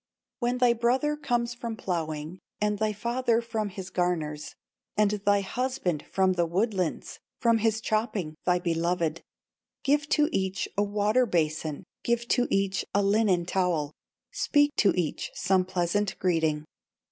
"When thy brother comes from plowing, And thy father from his garners, And thy husband from the woodlands, From his chopping, thy beloved, Give to each a water basin, Give to each a linen towel, Speak to each some pleasant greeting.